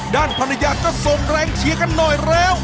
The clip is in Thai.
ด้านภรรยาก็ส่งแรงเชียร์กันหน่อยแล้ว